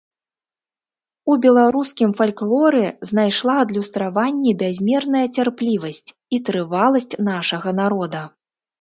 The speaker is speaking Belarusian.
У беларускім фальклоры знайшла адлюстраванне бязмерная цярплівасць і трываласць нашага народа.